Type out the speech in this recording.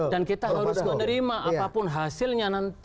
dan kita harus menerima apapun hasilnya nanti